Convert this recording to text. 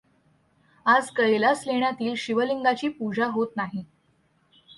आज कैलास लेण्यातील शिवलिंगाची पूजा होत नाही.